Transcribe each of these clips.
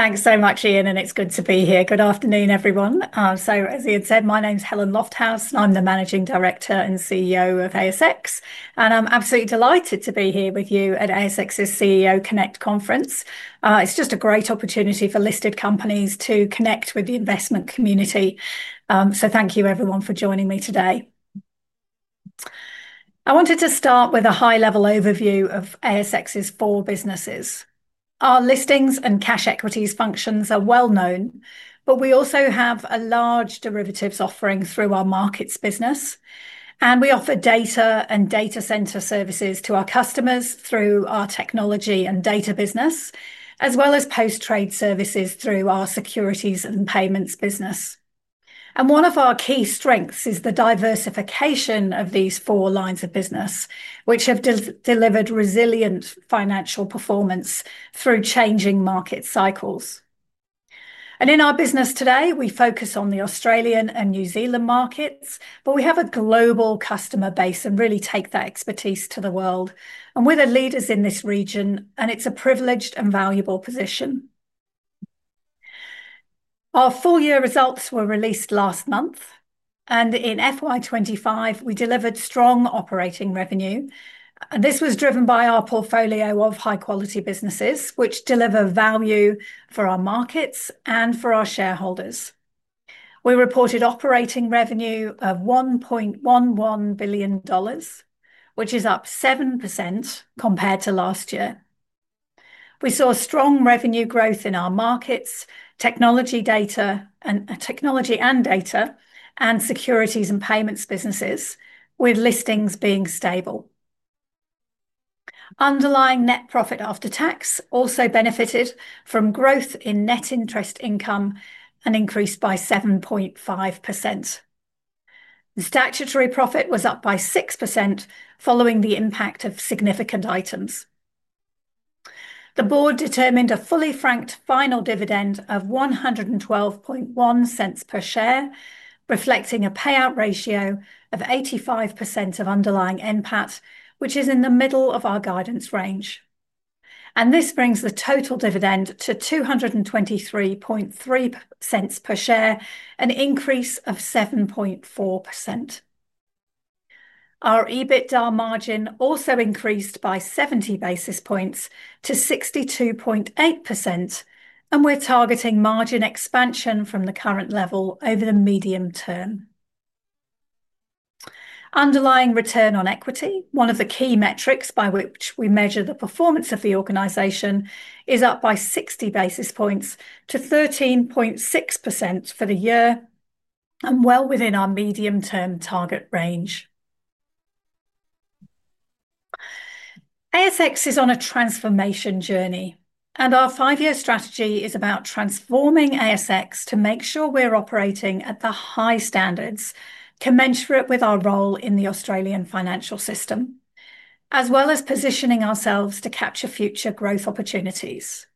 Thanks so much, Ian, and it's good to be here. Good afternoon, everyone. As Ian said, my name is Helen Lofthouse, and I'm the Managing Director and CEO of ASX. I'm absolutely delighted to be here with you at ASX's CEO Connect Conference. It's just a great opportunity for listed companies to connect with the investment community. Thank you, everyone, for joining me today. I wanted to start with a high-level overview of ASX's four businesses. Our listings and cash equities functions are well known, but we also have a large derivatives offering through our markets business. We offer data and data center services to our customers through our technology and data business, as well as post-trade services through our securities and payments business. One of our key strengths is the diversification of these four lines of business, which have delivered resilient financial performance through changing market cycles. In our business today, we focus on the Australian and New Zealand markets, but we have a global customer base and really take that expertise to the world. We're the leaders in this region, and it's a privileged and valuable position. Our full-year results were released last month, and in FY2025, we delivered strong operating revenue. This was driven by our portfolio of high-quality businesses, which deliver value for our markets and for our shareholders. We reported operating revenue of $1.11 billion, which is up 7% compared to last year. We saw strong revenue growth in our markets, technology and data, and securities and payments businesses, with listings being stable. Underlying net profit after tax also benefited from growth in net interest income and increased by 7.5%. The statutory profit was up by 6% following the impact of significant items. The board determined a fully franked final dividend of $112.01 per share, reflecting a payout ratio of 85% of underlying NPAT, which is in the middle of our guidance range. This brings the total dividend to $223.03 per share, an increase of 7.4%. Our EBITDA margin also increased by 70 basis points to 62.8%, and we're targeting margin expansion from the current level over the medium term. Underlying return on equity, one of the key metrics by which we measure the performance of the organization, is up by 60 basis points to 13.6% for the year, and well within our medium-term target range. ASX is on a transformation journey, and our five-year strategy is about transforming ASX to make sure we're operating at the high standards commensurate with our role in the Australian financial system, as well as positioning ourselves to capture future growth opportunities.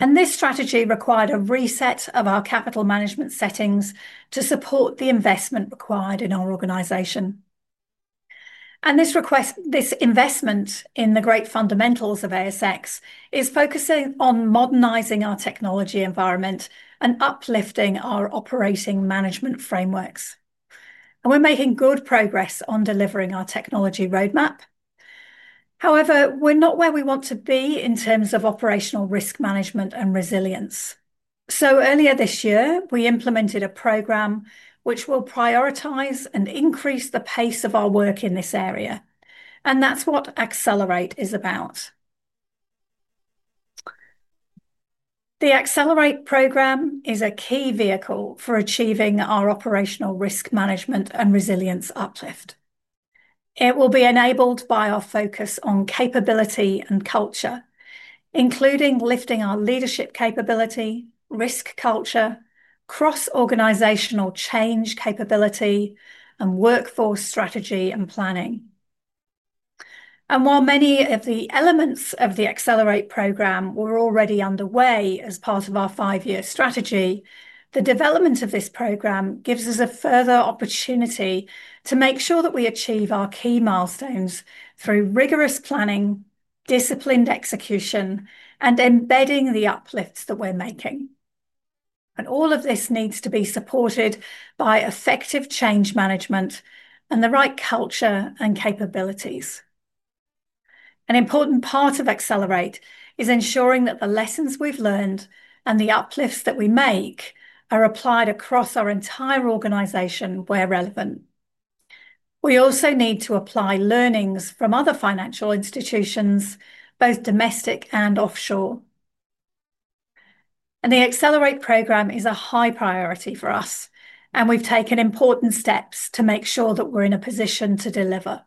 This strategy required a reset of our capital management settings to support the investment required in our organization. This investment in the great fundamentals of ASX is focusing on modernizing our technology environment and uplifting our operating management frameworks. We're making good progress on delivering our technology roadmap. However, we're not where we want to be in terms of operational risk management and resilience. Earlier this year, we implemented a program which will prioritize and increase the pace of our work in this area, and that's what ACCELERATE is about. The ACCELERATE programme is a key vehicle for achieving our operational risk management and resilience uplift. It will be enabled by our focus on capability and culture, including lifting our leadership capability, risk culture, cross-organizational change capability, and workforce strategy and planning. While many of the elements of the ACCELERATE programme were already underway as part of our five-year strategy, the development of this programme gives us a further opportunity to make sure that we achieve our key milestones through rigorous planning, disciplined execution, and embedding the uplifts that we're making. All of this needs to be supported by effective change management and the right culture and capabilities. An important part of ACCELERATE is ensuring that the lessons we've learned and the uplifts that we make are applied across our entire organization where relevant. We also need to apply learnings from other financial institutions, both domestic and offshore. The ACCELERATE programme is a high priority for us, and we've taken important steps to make sure that we're in a position to deliver.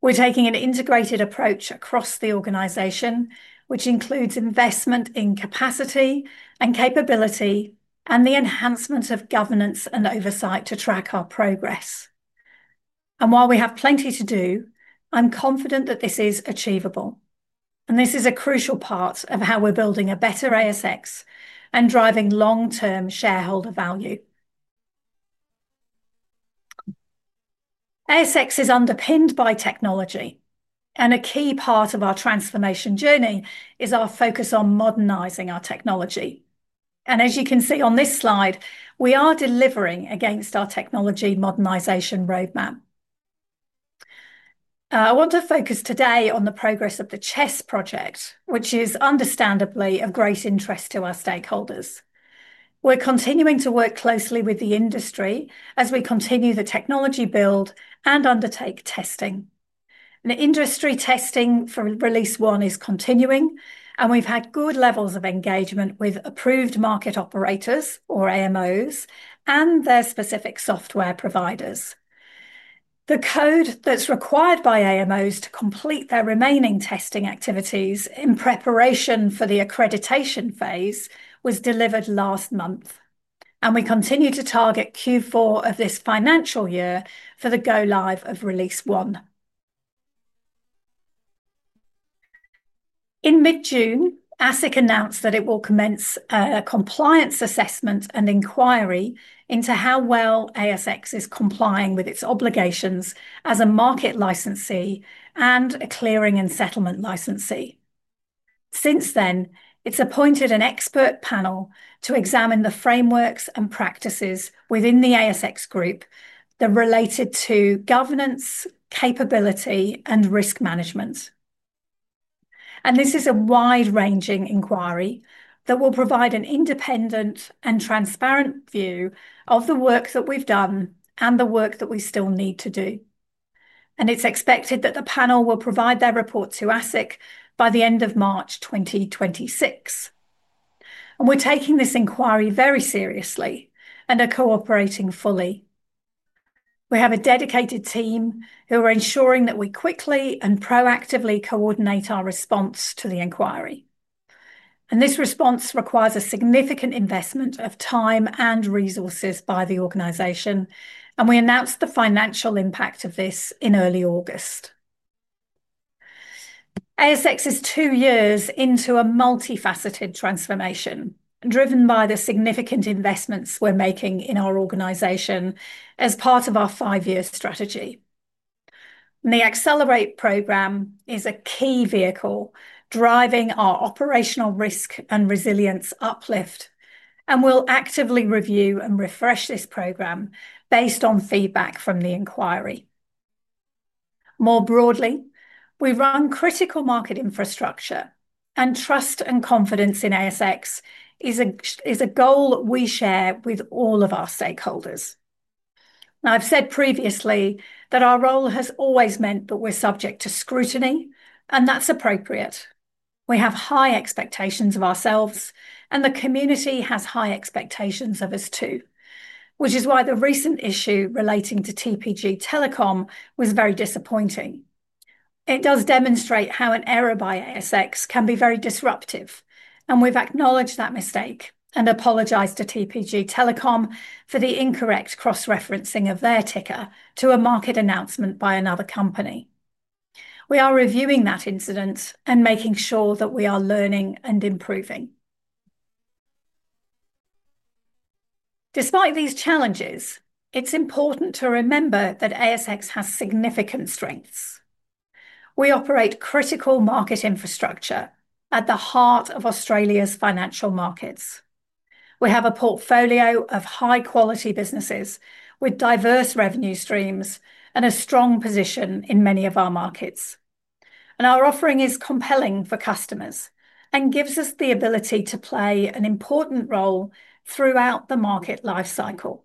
We're taking an integrated approach across the organization, which includes investment in capacity and capability, and the enhancement of governance and oversight to track our progress. While we have plenty to do, I'm confident that this is achievable. This is a crucial part of how we're building a better ASX and driving long-term shareholder value. ASX is underpinned by technology, and a key part of our transformation journey is our focus on modernizing our technology. As you can see on this slide, we are delivering against our technology modernization roadmap. I want to focus today on the progress of the CHESS replacement project, which is understandably of great interest to our stakeholders. We're continuing to work closely with the industry as we continue the technology build and undertake testing. The industry testing for release one is continuing, and we've had good levels of engagement with approved market operators, or AMOs, and their specific software providers. The code that's required by AMOs to complete their remaining testing activities in preparation for the accreditation phase was delivered last month. We continue to target Q4 of this financial year for the go-live of release one. In mid-June, the Australian Securities and Investments Commission (ASIC) announced that it will commence a compliance assessment and inquiry into how well ASX is complying with its obligations as a market licensee and a clearing and settlement licensee. Since then, it has appointed an expert panel to examine the frameworks and practices within the ASX group that are related to governance, capability, and risk management. This is a wide-ranging inquiry that will provide an independent and transparent view of the work that we've done and the work that we still need to do. It is expected that the panel will provide their report to ASIC by the end of March 2026. We're taking this inquiry very seriously and are cooperating fully. We have a dedicated team who are ensuring that we quickly and proactively coordinate our response to the inquiry. This response requires a significant investment of time and resources by the organization, and we announced the financial impact of this in early August. ASX is two years into a multifaceted transformation, driven by the significant investments we're making in our organization as part of our five-year strategy. The ACCELERATE programme is a key vehicle driving our operational risk and resilience uplift, and we'll actively review and refresh this programme based on feedback from the inquiry. More broadly, we run critical market infrastructure, and trust and confidence in ASX is a goal that we share with all of our stakeholders. I've said previously that our role has always meant that we're subject to scrutiny, and that's appropriate. We have high expectations of ourselves, and the community has high expectations of us too, which is why the recent issue relating to TPG Telecom was very disappointing. It does demonstrate how an error by ASX can be very disruptive, and we've acknowledged that mistake and apologized to TPG Telecom for the incorrect cross-referencing of their ticker to a market announcement by another company. We are reviewing that incident and making sure that we are learning and improving. Despite these challenges, it's important to remember that ASX has significant strengths. We operate critical market infrastructure at the heart of Australia's financial markets. We have a portfolio of high-quality businesses with diverse revenue streams and a strong position in many of our markets. Our offering is compelling for customers and gives us the ability to play an important role throughout the market lifecycle.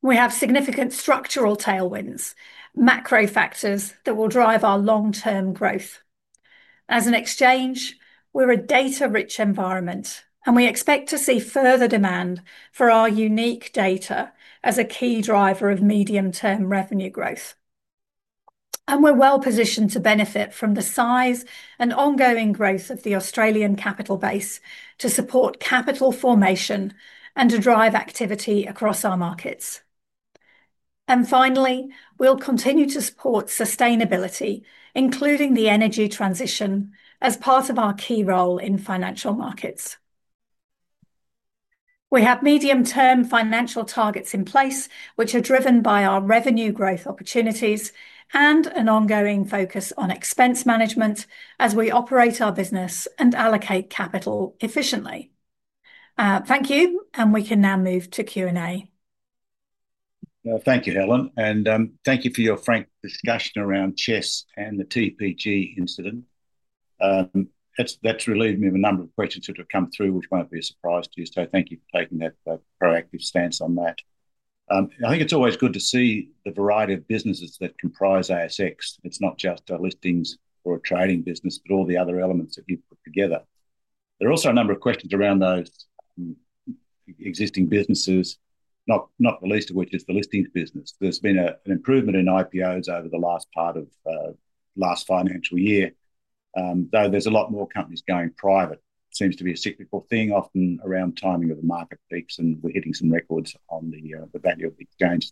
We have significant structural tailwinds, macro factors that will drive our long-term growth. As an exchange, we're a data-rich environment, and we expect to see further demand for our unique data as a key driver of medium-term revenue growth. We're well positioned to benefit from the size and ongoing growth of the Australian capital base to support capital formation and to drive activity across our markets. Finally, we'll continue to support sustainability, including the energy transition, as part of our key role in financial markets. We have medium-term financial targets in place, which are driven by our revenue growth opportunities and an ongoing focus on expense management as we operate our business and allocate capital efficiently. Thank you, and we can now move to Q&A. Thank you, Helen, and thank you for your frank discussion around CHESS and the TPG incident. That's relieved me of a number of questions that have come through, which won't be a surprise to you. Thank you for taking that proactive stance on that. I think it's always good to see the variety of businesses that comprise ASX. It's not just our listings or a trading business, but all the other elements that you've put together. There are also a number of questions around those existing businesses, not the least of which is the listings business. There's been an improvement in IPOs over the last part of the last financial year, though there's a lot more companies going private. It seems to be a cyclical thing, often around timing of the market peaks, and we're hitting some records on the value of the exchange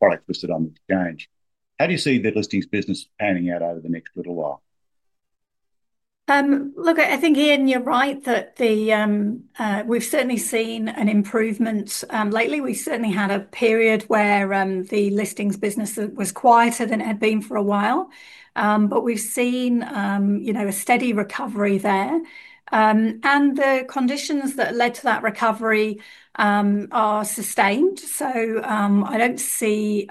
products listed on the exchange. How do you see the listings business panning out over the next little while? Look, I think, Ian, you're right that we've certainly seen an improvement lately. We certainly had a period where the listings business was quieter than it had been for a while, but we've seen a steady recovery there. The conditions that led to that recovery are sustained. I don't see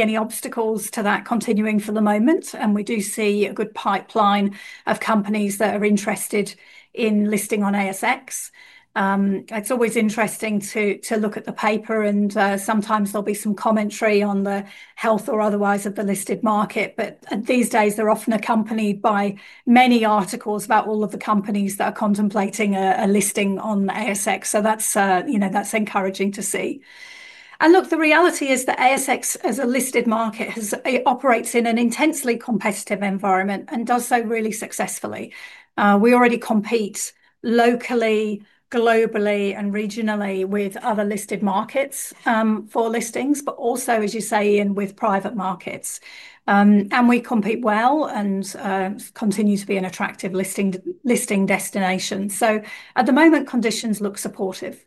any obstacles to that continuing for the moment, and we do see a good pipeline of companies that are interested in listing on ASX. It's always interesting to look at the paper, and sometimes there'll be some commentary on the health or otherwise of the listed market, but these days they're often accompanied by many articles about all of the companies that are contemplating a listing on ASX. That's encouraging to see. The reality is that ASX, as a listed market, operates in an intensely competitive environment and does so really successfully. We already compete locally, globally, and regionally with other listed markets for listings, but also, as you say, Ian, with private markets. We compete well and continue to be an attractive listing destination. At the moment, conditions look supportive.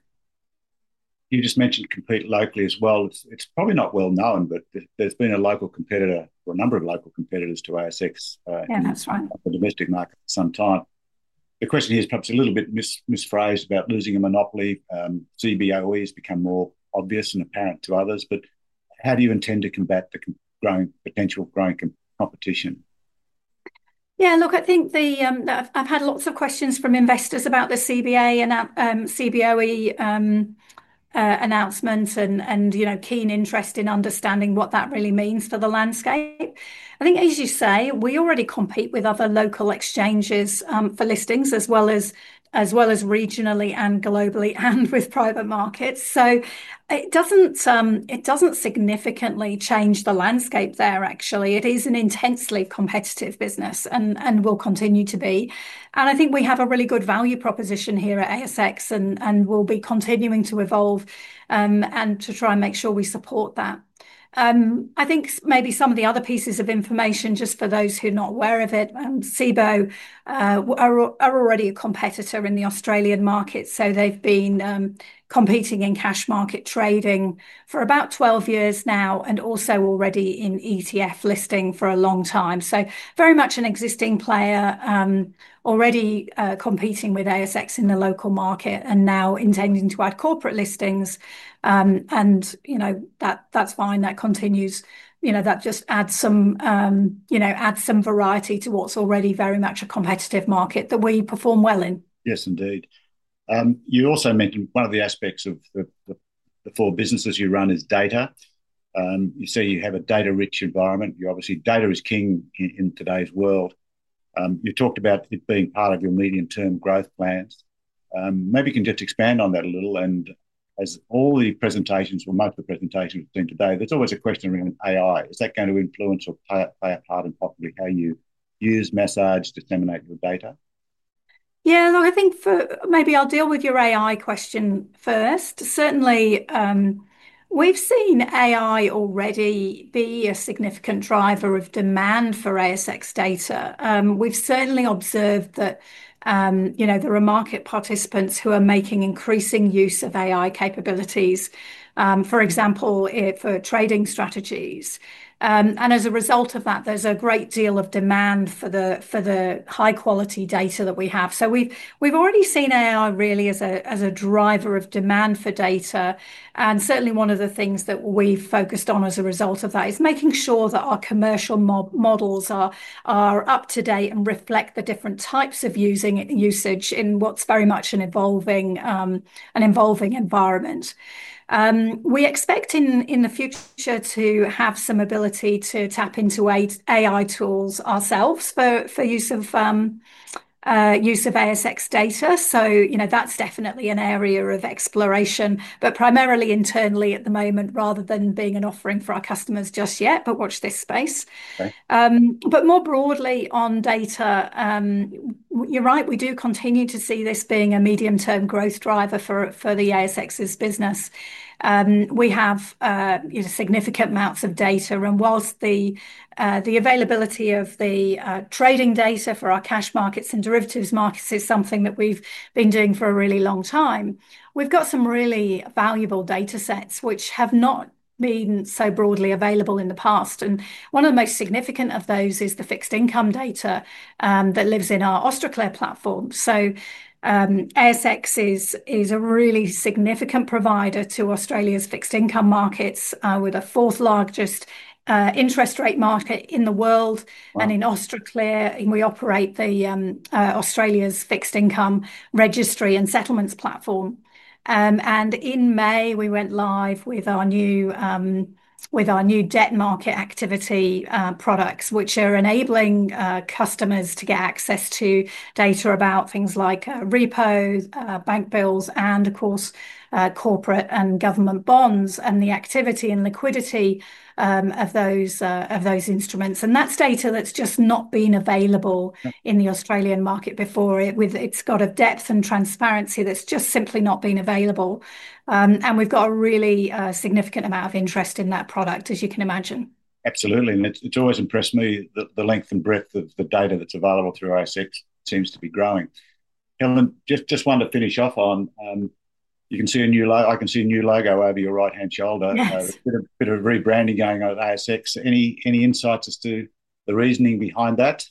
You just mentioned compete locally as well. It's probably not well known, but there's been a local competitor or a number of local competitors to ASX in the domestic market for some time. The question is perhaps a little bit misphrased about losing a monopoly. Cboe Australia has become more obvious and apparent to others, but how do you intend to combat the potential growing competition? Yeah, look, I think I've had lots of questions from investors about the CBA and Cboe Australia announcements and keen interest in understanding what that really means for the landscape. I think, as you say, we already compete with other local exchanges for listings, as well as regionally and globally and with private markets. It doesn't significantly change the landscape there, actually. It is an intensely competitive business and will continue to be. I think we have a really good value proposition here at ASX and will be continuing to evolve and to try and make sure we support that. Maybe some of the other pieces of information, just for those who are not aware of it, Cboe Australia are already a competitor in the Australian market. They've been competing in cash equities market trading for about 12 years now and also already in ETF listings for a long time. Very much an existing player already competing with ASX in the local market and now intending to add corporate listings. You know that's fine, that continues. You know that just adds some variety to what's already very much a competitive market that we perform well in. Yes, indeed. You also mentioned one of the aspects of the four businesses you run is data. You say you have a data-rich environment. You're obviously, data is king in today's world. You've talked about it being part of your medium-term growth plans. Maybe you can just expand on that a little. As all the presentations or most of the presentations we've seen today, there's always a question around AI. Is that going to influence or play a part in possibly how you use, massage, to disseminate the data? I think maybe I'll deal with your AI question first. Certainly, we've seen AI already be a significant driver of demand for ASX data. We've certainly observed that there are market participants who are making increasing use of AI capabilities, for example, for trading strategies. As a result of that, there's a great deal of demand for the high-quality data that we have. We've already seen AI really as a driver of demand for data. One of the things that we've focused on as a result of that is making sure that our commercial models are up to date and reflect the different types of usage in what's very much an evolving environment. We expect in the future to have some ability to tap into AI tools ourselves for use of ASX data. That's definitely an area of exploration, but primarily internally at the moment, rather than being an offering for our customers just yet. Watch this space. More broadly on data, you're right, we do continue to see this being a medium-term growth driver for the ASX's business. We have significant amounts of data. Whilst the availability of the trading data for our cash markets and derivatives markets is something that we've been doing for a really long time, we've got some really valuable datasets which have not been so broadly available in the past. One of the most significant of those is the fixed income data that lives in our Austraclear platform. ASX is a really significant provider to Australia's fixed income markets, with the fourth largest interest rate market in the world. In Austraclear, we operate Australia's fixed income registry and settlements platform. In May, we went live with our new debt market activity products, which are enabling customers to get access to data about things like repos, bank bills, and of course, corporate and government bonds, and the activity and liquidity of those instruments. That's data that's just not been available in the Australian market before. It's got a depth and transparency that's just simply not been available. We've got a really significant amount of interest in that product, as you can imagine. Absolutely. It's always impressed me that the length and breadth of the data that's available through ASX seems to be growing. Helen, just wanted to finish off on, you can see a new logo, I can see a new logo over your right-hand shoulder. It's been a bit of rebranding going on at ASX. Any insights as to the reasoning behind that?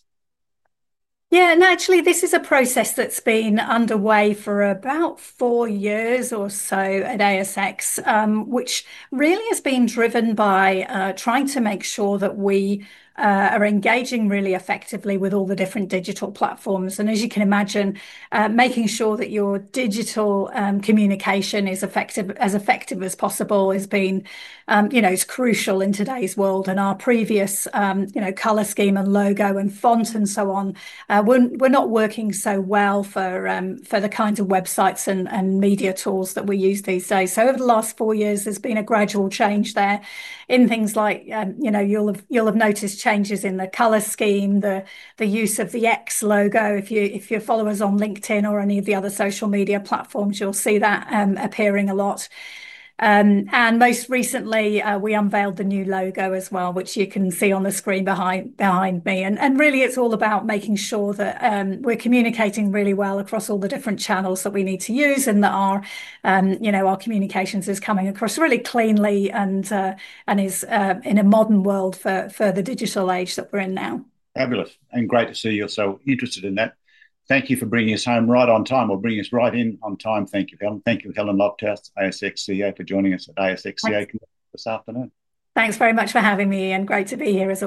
Actually, this is a process that's been underway for about four years or so at ASX, which really has been driven by trying to make sure that we are engaging really effectively with all the different digital platforms. As you can imagine, making sure that your digital communication is as effective as possible has been crucial in today's world. Our previous color scheme and logo and font and so on were not working so well for the kinds of websites and media tools that we use these days. Over the last four years, there's been a gradual change there in things like, you'll have noticed changes in the color scheme, the use of the X logo. If you follow us on LinkedIn or any of the other social media platforms, you'll see that appearing a lot. Most recently, we unveiled the new logo as well, which you can see on the screen behind me. Really, it's all about making sure that we're communicating really well across all the different channels that we need to use and that our communications are coming across really cleanly and are in a modern world for the digital age that we're in now. Fabulous. It's great to see you're so interested in that. Thank you for bringing us home right on time or bringing us right in on time. Thank you, Helen. Thank you, Helen Lofthouse, ASX CEO, for joining us at ASX CEO Connect this afternoon. Thanks very much for having me, Ian. Great to be here as well.